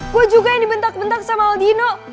gue juga yang dibentak bentak sama aldino